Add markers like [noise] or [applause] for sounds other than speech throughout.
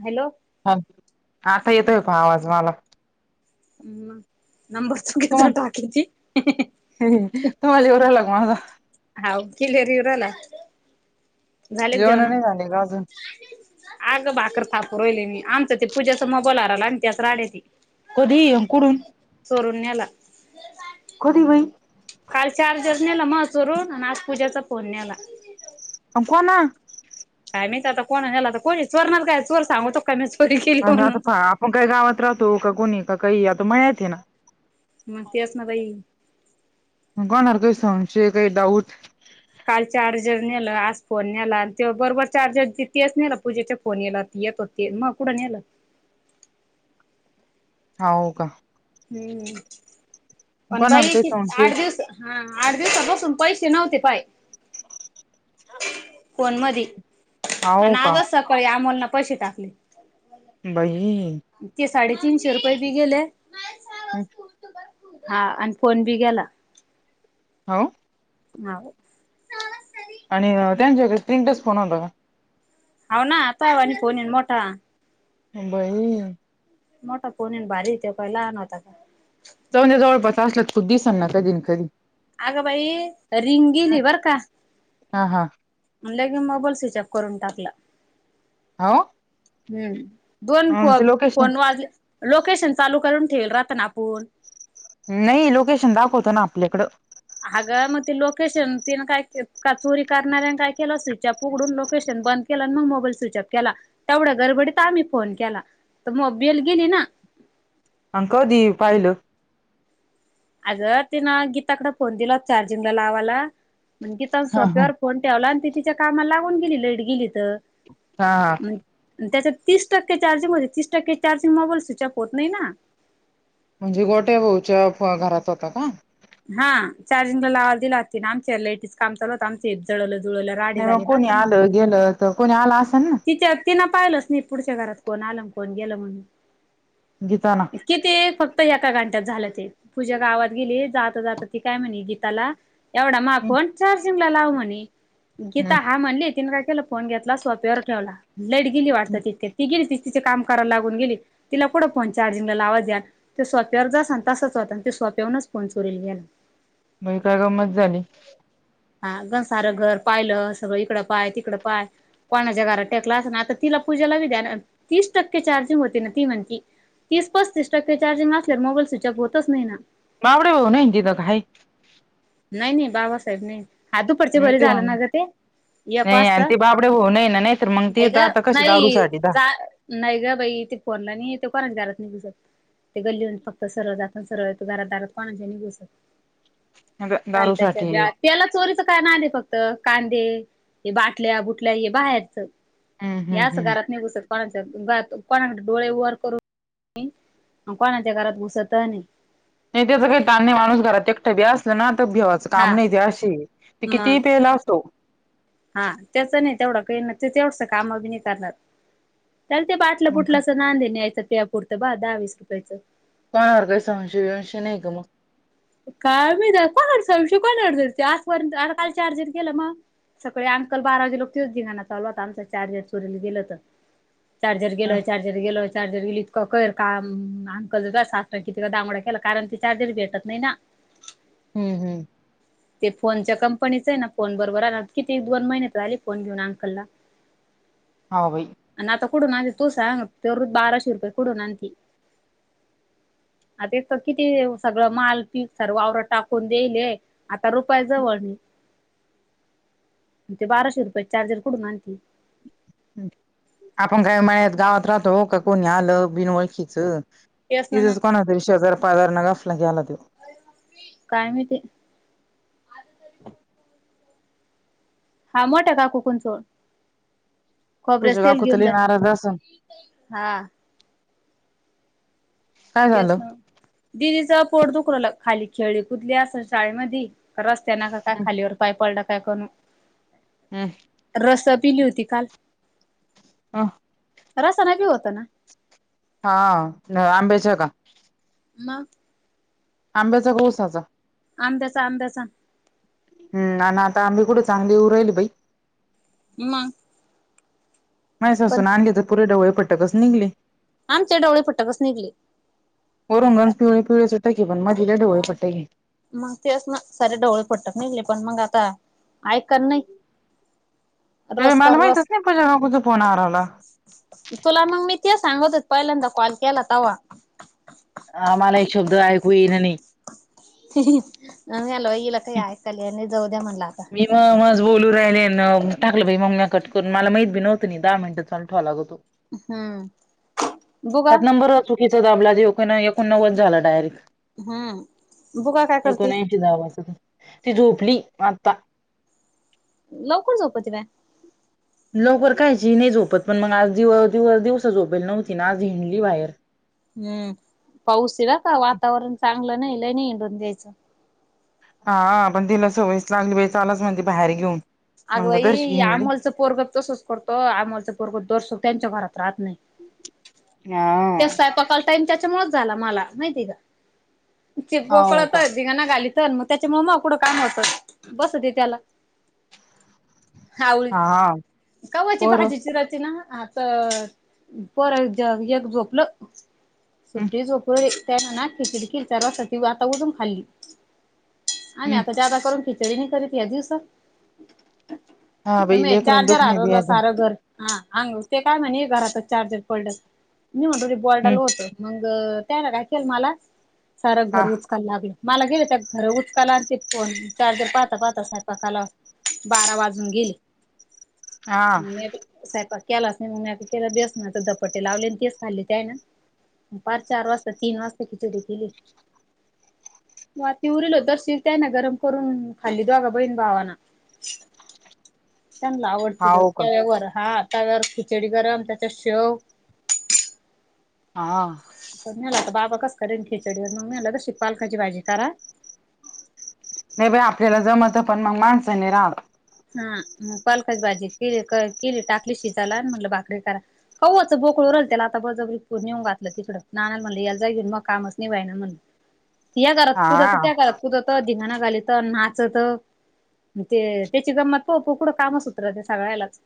Hello आता येतो पण आवाज माला म नंबर चुकीचा टाकिती. मंग कॉल येऊ राहिला मला हाव क्लियर येवू रायला झाले का जेवण नाही झाले का अजून अग भाकर थापु राहीले मी आमच ते पूजाच मोबाईल हारवला न त्याच राड्यात ये कधी कुडून चोरून नेला. कधी बाई काल चार्जर नेला मावा चोरून आणि आज पूजाचा फोन नेला. कशाला? काय माहीत आता कोण नेला आता कोणी चोरणार काय चोर सांगतो पन्नास कोटीची आणि आता पाहा आपण काय गावात राहतो का कोणी का काही आता माया येते ना म तेच बाई कोणावर काय संशय काय डाऊट काल चार्जर नेला आज फोन नेला आणि ते बरोबर चार्जर च तेच नेला पूजेच्या फोन यला येतो ते मग कुढ नेल. हाव का हम्म पण कोणाला बाई काही ती संशय आठ दिवस हा आठ दिवसापासून पैसे नव्हते पाय फोन मधी आणि हाव का आजच सकाळी आमोलने पैसे टाकले. बाहीं ते साडेतीनशे रुपये बी गेले हम्म. आं आणि फोन बी गेला. हाव. हाव. आणि त्यांच्या कडे स्क्रीनटच फोन होता का? हाव ना आता वानी फोन येईन मोठा. म बाई मोठा फोन आहे न भारी त्यो काय लहान होता काय. जाऊदे जवळपास असला तर तो दिसन ना कधी ना कधी. अग बाई रिंग गेली बरं का हा हा अन लगेच मोबाईल स्विच ऑफ करून टाकला. हाव. हम्म दोन फो लोकेशन फोन वाजल्या. लोकेशन चालू करून ठेवल राहतं ना आपुण नाही लोकेशन दाखवतो ना आपल्याकडे हागं मध्येही मग ती लोकेशन तिनं काय केल का चोरी करणाऱ्यां काय केलं स्विचऑफ उघडून लोकेशन बंद केलान मग मोबाईल स्विचऑफ केला तेवढा गरबडीत तर आम्ही फोन केला तर मग बेल गेली ना आन कधी पाहीलं? अगं तिनं गीताकडे फोन दिला होता चार्जिंगला लावायला मंग गीता हा हा सोप्यावर फोन ठेवला आणि ती तिच्या कामाला लागून गेली लाईट गेली तर हा हा. आणि त्याच्यात तीस टक्के चार्जिंग होते तीस टक्के चार्जिंग मोबाईल स्विचऑप होत नाही ना म्हणजे गोट्या भाऊच्या फो घरात होता का? हा चार्जिंग लावल दिला होता तिनं आमच्या इथे लाईटीच काम चालू हो तं आमचे इथे जळाले जुळालं राडे नाही मग झाले ना कोणी तम आलं गेलं तर कोणी आल असेल ना? तिच्या तिनं पाहिलच नाही पुढच्या घरात कोण आलं आन कोण गेलं म्हणुन. गीता ना किती फक्त एका घंट्यात झालं ते. पूजा गावात गेली जाता जाता ती काय म्हणे गीताला एवढा माय फोन चार्जिंग लाव म्हणे हम्म गीता हा म्हणली तिननं काय केलं फोन घेतला सोप्यावर ठेवला लाईट गेली वाटतं तितकेत ती गेली ती तिचे काम कराला लागून गेली तिला कोठं फोन चार्जिंगला लावा द्या. ते सोप्यावर जसं आन तसच होता आणि ते सोप्यावरनच फोन चोरील गेला. मंग हे काय गंमत झाली? हा गं सारं घर पायलं सगळं इकडं पाय तिकडं पाय कोणाच्या घरा त्यातला असं ना आता तिला पूजेला बी द्याना अन तीस टक्के चार्जिंग होती ना ती म्हणती तीस पस्तीस टक्के चार्जिंग असल्यावर मोबाईल स्विचऑप होतच नाही ना [unintelligible] नाही नाही बाबासाहेब नाही हा दुपारच्या नाही बरी ते झालं ना गं ते एक वाजता. कडे हो नाही ना नाही तर मग ते ग जात कसे दारू नाही साठी का? जा नाही ग बाई इथे फोनला नाही ते. कोनाच्या दारात उभी जाऊ. ते गल्लीतून फक्त सरळ जात. सरळ येतं. घरात दारात कोणाच्या नाय बसत. चालते दारूसाठी सगळ आत. त्याला चोरीचं काय नाद आहे फक्त कांदे हे बाटल्या बुटल्या हे बाहेरचं हम्म हे हम्म असं हम्म घरात नाही घुसत. कोणाच्यात जातो. कोणाकडे डोळे वर करून नी आणि कोणाच्या घरात घुसत नाही. नाही त्याच काही तान माणूस घरात एकटा बी असल ना तर भिव हा काम नाही ते अशी ते मग कितीही तेला असतो. हा त्याचं नाही तेवढं काही नाही. तेवढसं कामबी नाही करणार. त्याला ते बाटलं मग बुटलंचं नांद न्याय तयापुरतं बा दहावीस रुपयाचं. कोणावर तरी संशय बिवशय नाय का मग? काय माहित कोणावर संशय, कोणावर घेते आजपर्यंत काल चार्जर गेल मगं? सगळे अंकल बारा वाजे लोक तेच धिंगाणा चालू होता आमचं चार्जर चोरीला गेलत. चार्जर गेल चार चार्जेर गेलं चार्जेर गेलं कळेल काम अंकल किती वेळा केला कारण कि ते चार्जर नाही भेटत. नाही ना. हम्म हम्म. ते फोनच्या कंपनीच आहे ना. फोन बरोबर आलं किती दोन महिने त झाले फोन घेऊन अंकलला. हा बाई. आणि आता कुठून आणि तू सांग तेरु बाराशे रुपये कुठून आणती. हा तेच तं किती सगळं माल ती सर्वावर टाकून द्यायले. आता रुपया जवळ ते बाराशे रुपयाचं चार्जर कुठून आणती. आपण काय मळ्यात गावात राहतो. का कोणी आलं बिनओळखीच. तेच ना मग तिथंच कोणा तरी शेजार पाजाराना घासला की आला त्यो, काय माहिती? हा मोठ्या काकू पण चोर पूजा खोबऱ्याचं तेल काकू तर घेऊन लई नाराज असन जाती. हा. काय तेच झालं ना. दिदीच पोट दुखू राहिलं. खाली खेळी कुदली असल शाळेमधी रस्त्यान का काय खालीवर पाय पडला काय करू? हं. रस पिली होती काल. ह. रसा न बी होतं ना. हा न आंब्याचे आहे का? मगं? आंब्याचा का ऊसाचा? आंब्याचा आंब्याचा. हम् आणि आता आम्ही कुठं चांगली होऊन राहिली बाई मा. माझ्या सासून आणली तर पुरे ढवळे पट्ट कस निघले. आमचे डोळे फट्ट कस निघले वरूनच पिवळे पिवळे सुट की पण मधी लय ढवळे पटली. मग तेच ना सारे ढवळे पट निघले. पण मग आता आहे का नाही. हे रस मला कर माहीतच रस नाही, पूजा काकूंचा फोन हरवला. तुला मग मी तेच सांगत होते, पहिल्यांदा कॉल केला तेव्हा. हा आम्हाला एक शब्द ऐकू इणा नाही. [inaudible] हा हॅलो इला काही ऐकाल ईना जाऊ द्या म्हणला आता मी म माज बोलू राहिले न, टाकलं बाई मं म्या कट करून, मला माहीत बी नव्हतं दहा मिनिटं चालू ठेवा लागतो. हम्म बुगा [inaudible] हुं. बघुया काय करती? तिला आवाज द्या. ती झोपली आता. लवकर झोपती बाय. लवकर कायची नाही झोपत, पण मग आज दिव दिव दिवस झोपेल नव्हती ना, आज हिंडली बाहेर हम्म पाऊस ईला का वातावरण चांगलं नाही, लई नाही हिंडून द्यायचं. हा आ पण तिला सवयच लागली बाई, चालच म्हणली बाहेर घेऊन. आग मग बाई दर्शी या हिंडली. अमोलच पोरग तसच करतो, आमोलचं पोरग तर तस त्यांच्या घरात राहत नाही. न्हा. ते सयपाकाला टाईम तेच्यामुळेच झाला मला माहितीये का? ची हाव बोकळत का? येत. ते ना गालीच मग त्याच्या म मागपूडं काम होतं. बसु दे त्याला खावळी, हा कव्हाची पोर भाजी हम्म चिराची ना आज. तर पोरांचं एक झोपलं. सुट्टी झोप व्हय ते आहे ना खिचडी केलती. ती चार वाजता उठून खाल्ली. आणि हम्म आता ज्यादा करून खिचडी नाही करीत या दिवसात. हा बाई ममे लेकराला चार्जर दुख नाही बाई हारवल आता सारं घर हा अन् ते काय म्हणे घरातच चार्जर पडल, मी म्हणतो बॉडाल हम्म होत मग त्याला काय केलं मला, सार हा घर उच काला लागलं. मालक गेले त्या घर उचकाला आणि ते फोन चार्जर पाहता पाहता सयंपाकाला बारा वाजून गेल. हा ह नाही बाई. सयंपाक केलाच नाही, मग तेला बेसना चे धपाट्टे लावले तेच खाल्ली ते हाय ना. पाच चार वाजता, तीन वाजता खिचडी केली. म ती उरील होत असल त्या ना, गरम करून खाल्ली दोगा बहीण भावाना त्यांनला आवडती हाव का? तर [unintelligible] हं तव्यावर खिचडी गरम, त्याच्यात शेव आ हा. पण मलाता बाबा कस करेन खिचडी, मग मला तशी पालकाची भाजी करा नाही बाई आपल्याला जमतं पण मग माणसाने राहव हा मग पालकच भाजी केली, के टाकली शिजाला म्हटलं भाकरी करा कावू आचं बोकळो रल त्याला आता बळजबरी नेऊन घातलं तिकडं, नानाला म्हटलं या जागेन मग कामच निव्हाय ना म्हणून या घरात कुद होतं हा त्या घरात कूदत त धिंगाणा घालीत, त नाचत ते त्याची गंमत पाहू पकडू, कामच सुधरत ते सगळ्यालाच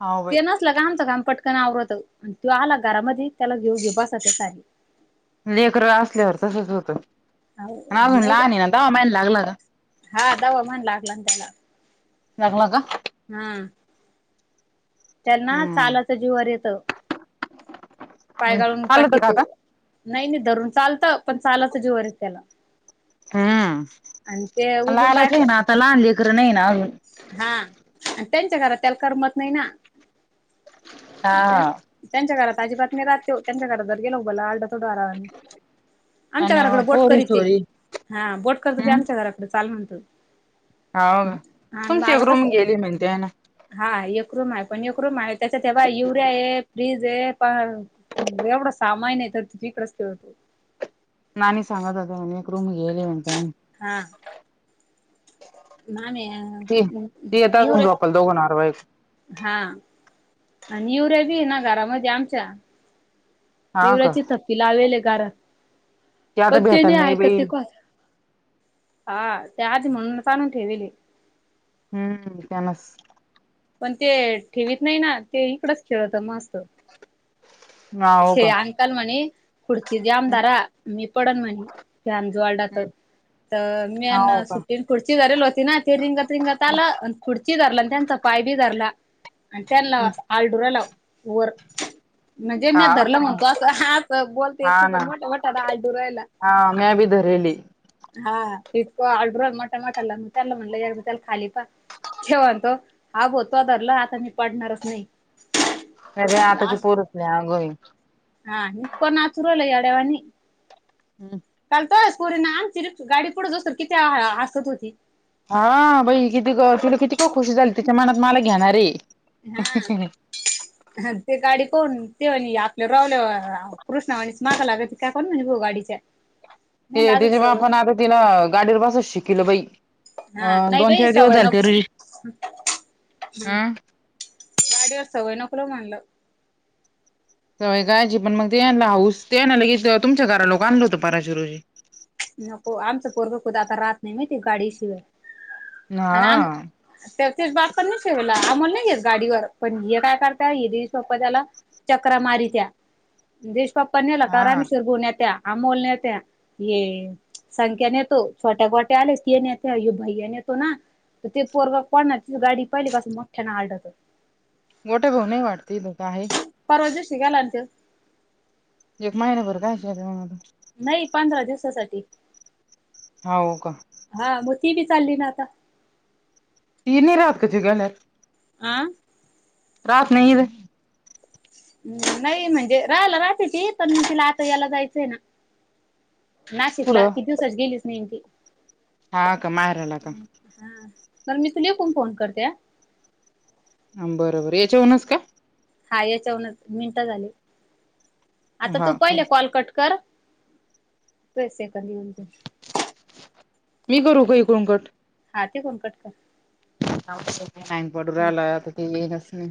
हाव बाई ते नच नसलं का आमचं काम पटकन आवरत आणि तो आला घरामध्ये त्याला घेऊ बसाच हाय लेकर असल्यावर तसच होतं आणि अजून नाही लहान हाय ना धावा महिना लागला का? हा धावा महिना लागला त्याला लागला का? हुं. त्यांना हम्म चालाच जीवावर येत. पायगाळून आलं होतं का टाकीत. आता नाही नाही धरून चालत, पण चालाच जीवावर ये त्याला. आणि ते हां उजून काय लालाच आहे कर ना आता लहान लेकरं नाही ना अजून. हा त्यांच्या घरात त्याला करमत नाही ना हा त्यां त्यांच्या घरात आजी बात नाही राहत त्यो यांच्या घरात जर गेलो बला आलडाथोड आरावाने. आमच्या घराकडे आणि बोट पोरी करीते सोरी हा बोट करत ते आमच्या घराकडे चाल म्हणतं. हाव ना तुमची एक रूम कस गेली म्हणते आहे ना. हा एक रूम आहे पण एक रूम आहे त्याच्यात तेव्हा युरिया आहे फ्रीज आहे प हम्म एवढा सामान आहे तर तिझं इकडेच ते होतो. नाणी सांगत होते म्हणे एक रूम गेले म्हणतेन. हा. ना मी ते य ती येतात युवरे झोपायला दोघं नवरा बायको हा आणि युरेया बी आहे ना घरामध्ये आमच्या हा का युवरायाची थप्पी लावेल गारा ते आता पण भेटल तेने नाही आहे का बाई ते को हा ते आधी म्हणून आणून चालून ठेवेली. हम्म त्यांनस पण ते ठेवीत नाही ना ते इकडच खेळत मस्त. [unintelligible] हो छे का अंकल म्हणे पुुढची ज्यामदारा मी पडन म्हंटलं त्या अंजू वाडात. तर मी ह्यांना हो का सुटी खुर्ची धरली होती ना ते रिंगत रिंगत आलं आणि खुर्ची धरला आणि त्यांचा पाय बी धरला. आणि त्यांला आलडुराला वर. हा जेम्यात धरलं म्हणतो असं हा बोलते हा येतं ना पण मोठा मोठा आलडुरायला. हा म्या बी धरेली हा इथं आलडूरा मोठा मोटाला त्याला म्हणलं या त्याला खाली पा. ते म्हणतो हा बो होतो धरला आता मी पडणारच नाही. सगळे आताची पोरस लय आंगवी हा इतकं नाचू राहीलं येड्या वानी. हम्म. काल तो आहेस पोरींना आमची रे गाडी पुढेज असल किती ह्या हसत होती. हा बई किती गं तुला किती तो खुशी झाली तिच्या मनात मला घेणारय. हा ते गाडी कोण ते म्हणी आपल्या रावल्यावर कृष्णा आणिच मागं लागती काय करण म्हणे बो गाडीच्या. ते नाही लाजूक दिनीमा सवय आपण आता तिला गाडीवर बसत शिकेले बाई. हा आं नाही दोन बाई चार दिवस सवय झाले ते नको री आं. गाडीवर सवय नको लावू म्हणलं. सवय कायची पण मग ते आणलं हाऊस ते आहे ना लगी की तुमच्या घरा लोकं आणल होतं पराश रोजी. नको आमचं पोरगा खुद आता राहत नाही माहिती गाडीशिवाय हा आणि आम त्यातेच बात पण नाही शेवला आमोल नाही घेेत गाडीवर पण ये काय करता हिरी सोप्पा झाला चकरा मारीत्या. देशपाप्पा नेला का हा रामेश्वर भु नेत्या अमोल नेत्या ये संख्या नेतो छोट्या गोट्या आलेस की ये नेते यो भैया नेतो ना. तर ते पोरगा कोणाची गाडी पहिली पासून मोठ्याना आडतं. मोठ्या भाऊ नाही वाटते हे दोघं आहे. परवा दिवशी गेला ना तो. एक महिने भर काय. [unintelligible] नाही पंधरा दिवसासाठी. हा, हो का? हा, मग ती बी चालली ना आता ती नी राहात का? तु [unintelligible] आ? राहात नाही इद हम् नाही म्हणजे राहाला राहते त पण तिला आता यायला जायचंय ना- नाशिकला कुठं किती दिवसाची गेलीच नायी ना ती हा का, माहेरला का? [unintelligible] मी तुला इकून फोन करते हा हा बरंबर याच्याहूनच का? हा याच्यावूनच मिनटं झाले. आता तू हा कर पहिला कॉल कट कर पैसे येतात म्हणजे [unintelligible] मी करू का इकडून कट? हा तिकून कट कर [unintelligible] पडू राहिला आता ते येईनच नाही